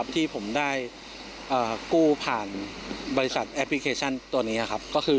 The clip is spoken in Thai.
ที่ผมได้กู้ผ่านบริษัทแอปพลิเคชันตัวนี้ครับ